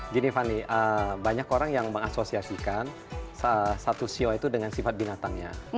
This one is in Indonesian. gini fanny banyak orang yang mengasosiasikan satu sio itu dengan sifat binatangnya